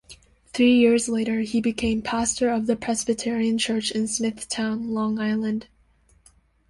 Three years later, he became pastor of the Presbyterian Church in Smithtown, Long Island.